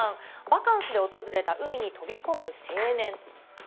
バカンスで訪れた海に飛び込む青年。